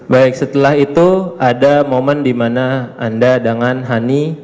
baik setelah itu ada momen dimana anda dengan hani